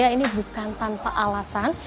ini bukan tanpa alasan